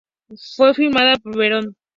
Fue filmada en Vermont.